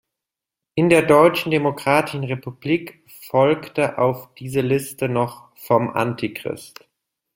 In der Deutschen Demokratischen Republik folgte auf diese Liste noch "Vom Antichrist".